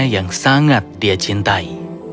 yang sangat dia cintai